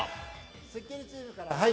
スッキリチームから、はい。